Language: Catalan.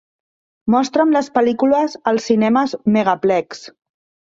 Mostra'm les pel·lícules als Cinemes Megaplex.